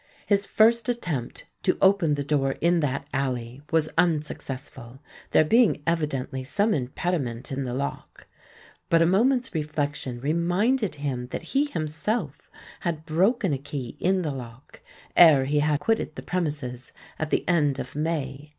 His first attempt to open the door in that alley was unsuccessful, there being evidently some impediment in the lock: but a moment's reflection reminded him that he himself had broken a key in the lock, ere he had quitted the premises at the end of May, 1841.